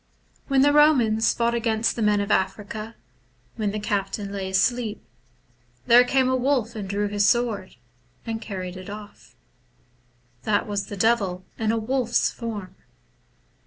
When the Komans fought against the men of Africa, when the captain lay asleep, there came a wolf and drew his sword, and carried it off. That was the Devil in a wolf's form.